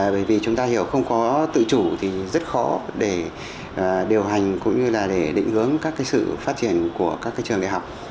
bởi vì chúng ta hiểu không có tự chủ thì rất khó để điều hành cũng như là để định hướng các sự phát triển của các trường đại học